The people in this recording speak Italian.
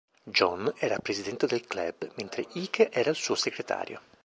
John era presidente del club, mentre Ike era il suo segretario.